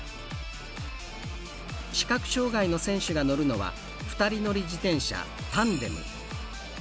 視覚障がいの選手が乗るのは２人乗り自転車、タンデム。